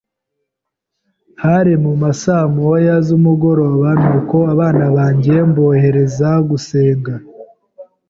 Hari muma saa moya z’umugoroba nuko abana banjye mbohereza gusenga